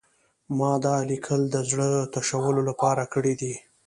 ما دا لیکل د زړه تشولو لپاره کړي دي